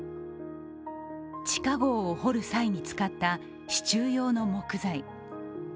地下壕を掘る際に使った支柱用の木材。